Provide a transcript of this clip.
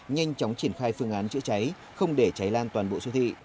nhanh chóng triển khai phương án chữa cháy không để cháy lan toàn bộ siêu thị